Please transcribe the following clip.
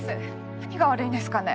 何が悪いんですかね